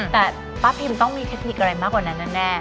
แต่ป้าพิมต้องมีเทคนิคอะไรมากกว่านั้นนะแม่